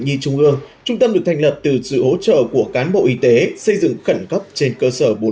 nhi trung ương trung tâm được thành lập từ sự hỗ trợ của cán bộ y tế xây dựng khẩn cấp trên cơ sở bốn